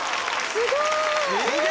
すごい。